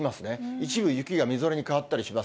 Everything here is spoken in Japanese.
一部、雪がみぞれに変わったりします。